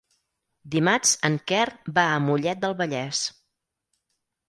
Dimarts en Quer va a Mollet del Vallès.